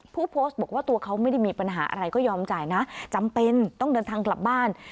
ผู้โพสต์บอกว่าตัวเขาไม่ได้มีปัญหาอะไรก็ยอมจ่ายนะจำเป็นต้องเดินทางกลับบ้าน